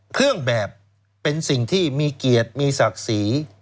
เครื่องแบบเป็นสิ่งที่มีเกียรติมีศักดิ์ศรี